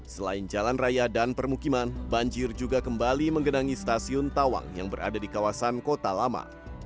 selain jalan raya dan permukiman banjir juga kembali menggenangi stasiun tawang yang berada di kawasan kota lama